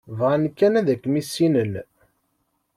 Bɣan kan ad kem-issinen.